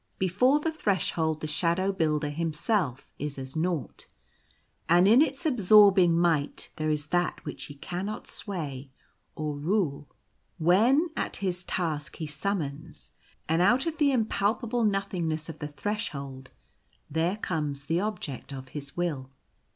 Before the Threshold the Shadow Builder himself is as naught ; and in its absorbing might there is that which he cannot sway or rule. When at his task he summons; and out of the im palpable nothingness of the Threshold there comes the object of his will.